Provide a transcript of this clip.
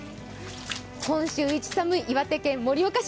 今週一寒い、岩手県盛岡市。